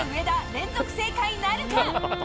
連続正解なるか。